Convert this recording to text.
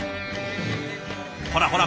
ほらほら